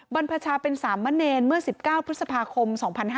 บรรพชาเป็นสามมะเนรเมื่อ๑๙พฤษภาคม๒๕๕๙